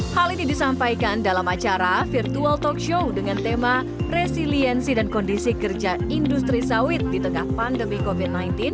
hal ini disampaikan dalam acara virtual talk show dengan tema resiliensi dan kondisi kerja industri sawit di tengah pandemi covid sembilan belas